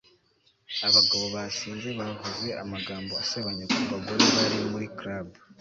Abagabo basinze bavuze amagambo asebanya ku bagore bari muri club